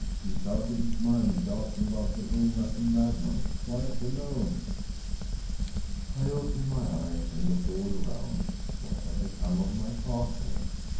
He is out of his mind, dancing about the room like a madman, quite alone!‚ÄĚ I opened my eyes and looked all around. What had become of my partner?